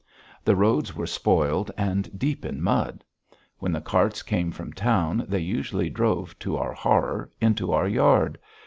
The roads were spoiled and deep in mud. When the carts came from town they usually drove to our horror, into our yard!